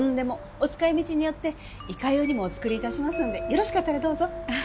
お使い道によっていかようにもお作り致しますのでよろしかったらどうぞ。